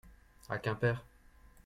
à Quimper.